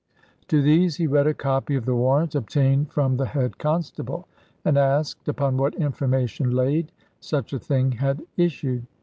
To these he read a copy of the warrant, obtained from the head constable, and asked, upon what information laid, such a thing had issued.